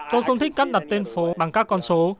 tôi không thích cất đặt tên phố bằng các con số